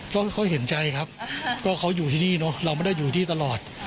ก็เขาเห็นใจครับก็เขาอยู่ที่นี่เนอะเราไม่ได้อยู่ที่ตลอด